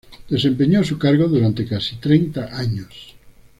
Desempeñó su cargo durante casi treinta años.